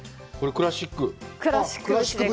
クラシック節。